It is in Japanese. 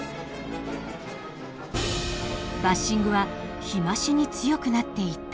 バッシングは日増しに強くなっていった。